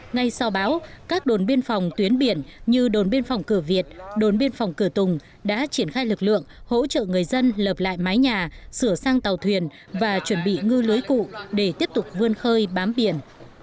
ngay sau báo các đồn biên phòng tuyến biển như đồn biên phòng cửa việt đồn biên phòng cửa tùng đã triển khai lực lượng hỗ trợ người dân lợp lại mái nhà sửa sang tàu thuyền và chuẩn bị ngư lưới cụ để tiếp tục vươn khơi bám biển